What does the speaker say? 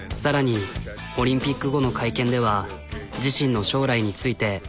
さらにオリンピック後の会見では自身の将来について。